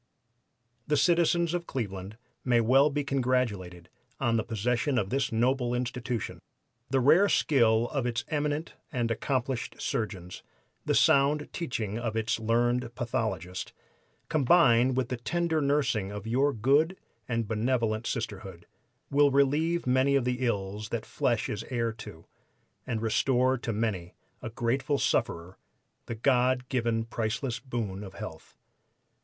"The citizens of Cleveland may well be congratulated on the possession of this noble Institution. The rare skill of its eminent and accomplished surgeons, the sound teaching of its learned pathologist, combined with the tender nursing of your good and benevolent Sisterhood, will relieve many of the ills that flesh is heir to, and restore to many a grateful sufferer the God given priceless boon of health.